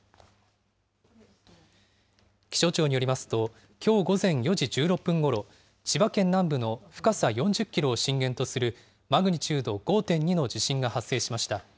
気象庁によりますと、きょう午前４時１６分ごろ、千葉県南部の深さ４０キロを震源とするマグニチュード５．２の地震が発生しました。